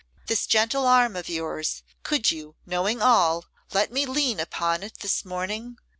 This gentle arm of yours; could you, knowing all, let me lean upon it this morning?